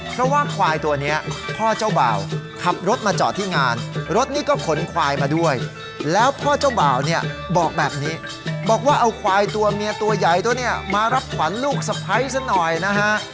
เพราะว่าควายตัวนี้พ่อเจ้าบ่าวขับรถมาจอดที่งานรถนี่ก็ขนควายมาด้วยแล้วพ่อเจ้าบ่าวเนี่ยบอกแบบนี้บอกว่าเอาควายตัวเมียตัวใหญ่ตัวนี้มารับขวัญลูกสะพ้ายซะหน่อยนะฮะ